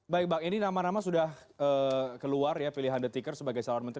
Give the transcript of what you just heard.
baik ini nama nama sudah keluar ya pilihan the tickers sebagai saluran menteri